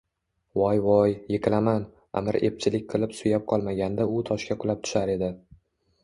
— Voy-voy! Yiqilaman! — Аmir epchillik qilib suyab qolmaganda u toshga qulab tushar edi…